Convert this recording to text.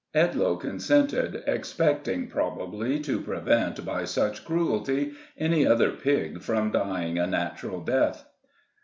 Edloe consented, expecting, probably, to prevent by such cruelty, any other pig from dying a natural death.